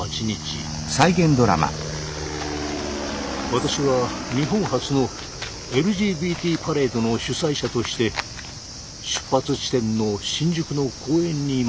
私は日本初のＬＧＢＴパレードの主催者として出発地点の新宿の公園にいました。